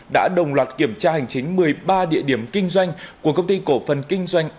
đã đồng loạt kiểm tra hành chính một mươi ba địa điểm kinh doanh của công ty cổ phần kinh doanh